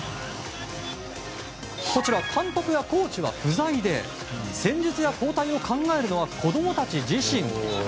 監督やコーチは不在で戦術や交代を考えるのは子供たち自身。